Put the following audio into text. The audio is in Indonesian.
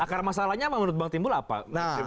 akar masalahnya menurut bang timbul apa